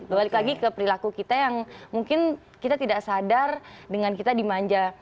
balik lagi ke perilaku kita yang mungkin kita tidak sadar dengan kita dimanja